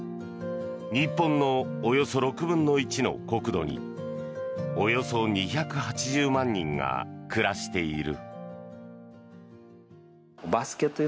日本のおよそ６分の１の国土におよそ２８０万人が暮らしている。